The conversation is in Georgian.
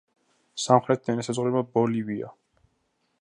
სამხრეთიდან ესაზღვრება ბოლივია.